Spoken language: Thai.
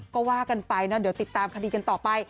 ก็ว่ากันไปนะเดี๋ยวติดตามคดีกันต่อไป